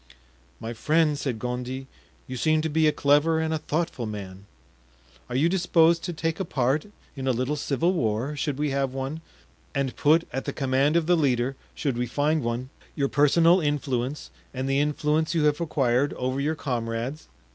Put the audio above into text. "My friend," said Gondy, "you seem to be a clever and a thoughtful man; are you disposed to take a part in a little civil war, should we have one, and put at the command of the leader, should we find one, your personal influence and the influence you have acquired over your comrades?"